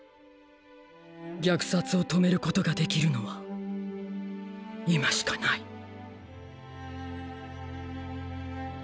虐殺を止めることができるのは今しかない。